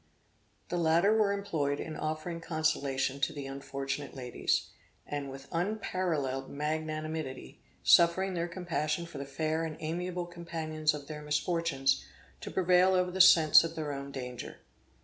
The latter were employed in offering consolation to the unfortunate ladies, and with unparalleled magnanimity, suffering their compassion for the fair and amiable companions of their misfortunes, to prevail over the sense of their own danger.